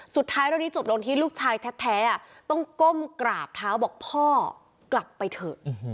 สุดท้ายเรื่องนี้จบลงที่ลูกชายแท้ต้องก้มกราบเท้าบอกพ่อกลับไปเถอะ